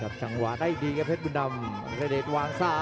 หมดจกที่๑พักแปป